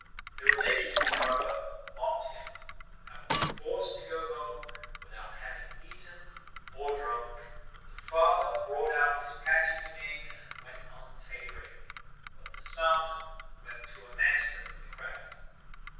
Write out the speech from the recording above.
The relations, however, mocked him, and were forced to go home without having eaten or drunk. The father brought out his patches again, and went on tailoring, but the son went to a master in the craft.